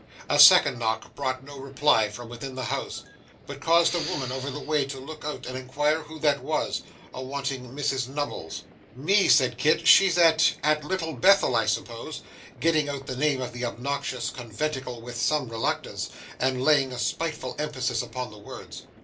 A second knock brought no reply from within the house; but caused a woman over the way to look out and inquire who that was, awanting Mrs Nubbles. 'Me,' said Kit. 'She's at at Little Bethel, I suppose?' getting out the name of the obnoxious conventicle with some reluctance, and laying a spiteful emphasis upon the words.